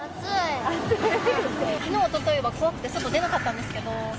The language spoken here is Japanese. きのう、おとといは怖くて外出なかったんですけど。